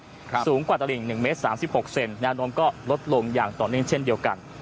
สูงกว่าตลิ่งหนึ่งเมตรสามสิบหกเซนแนวโน้มก็ลดลงอย่างต่อเนื่องเช่นเดียวกัน